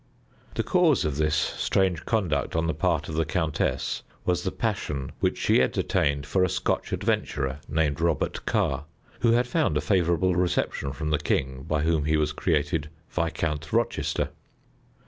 The cause of this strange conduct on the part of the countess was the passion which she entertained for a Scotch adventurer named Robert Carr, who had found a favorable reception from the king, by whom he was created Viscount Rochester.